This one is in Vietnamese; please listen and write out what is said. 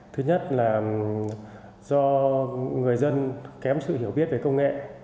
thứ nhất là do người dân kém sự hiểu biết về công nghệ